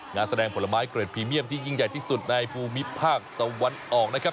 งานแสดงผลไม้เกรดพรีเมียมที่ยิ่งใหญ่ที่สุดในภูมิภาคตะวันออกนะครับ